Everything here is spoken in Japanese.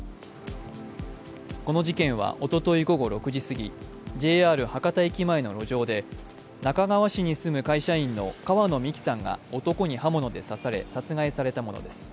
この事件はおととい午後６時すぎＪＲ博多駅前の路上で那珂川市に住む会社員の川野美樹さんが男に刃物で刺され殺害されたものです。